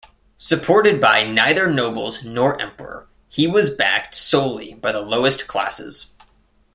Supported by neither nobles nor emperor, he was backed solely by the lowest classes.